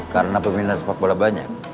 karena peminat sepak bola banyak